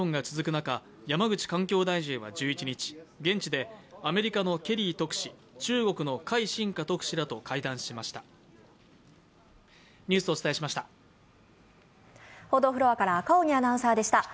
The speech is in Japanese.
中山口環境大臣は１１日、現地でアメリカのケリー特使中国の解振華特使らと会談しました。